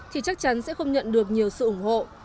thì chắc chắn sẽ không nhận được nhiều sự ủng hộ